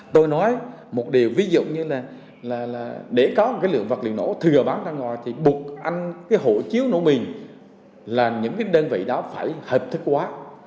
tôi nói một điều ví dụ như là để có một cái lượng vật liệu nổ thừa bán ra ngoài thì buộc anh cái hộ chiếu nổ mìn là những cái đơn vị đó phải hợp thức hóa